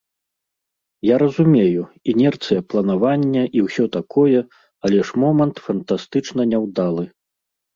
Я разумею, інерцыя планавання і ўсё такое, але ж момант фантастычна няўдалы.